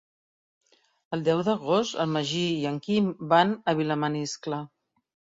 El deu d'agost en Magí i en Quim van a Vilamaniscle.